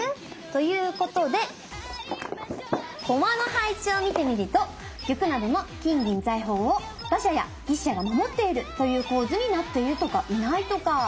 ということで駒の配置を見てみると玉などの金銀財宝を馬車や牛車が守っているという構図になっているとかいないとか。